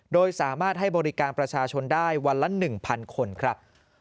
โดยสามารถให้บริการประชาชนได้วันละ๑๐๐คนครับ